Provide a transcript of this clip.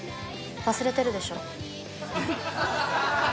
忘れてるでしょ？